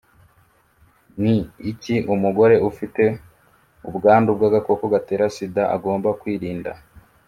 ni iki umugore ufite ubwandu bw agakoko gatera sida agomba kwirinda.